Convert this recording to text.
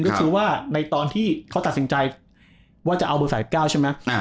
ก็คือว่าในตอนที่เขาตัดสินใจว่าจะเอาเบอร์๓๙ใช่ไหม